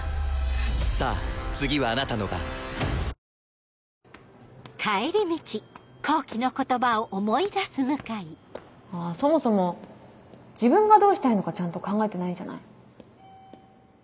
新しくなったまぁそもそも自分がどうしたいのかちゃんと考えてないんじゃない？